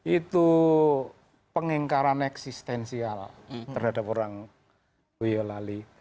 itu pengingkaran eksistensial terhadap orang boyolali